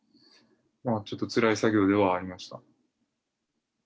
ちょっとつらい作業ではありましたね。